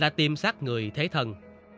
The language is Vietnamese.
là tìm sát người thế thần